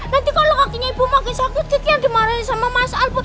nanti kalau kakinya ibu makin sakit kiki yang dimarahin sama mas albu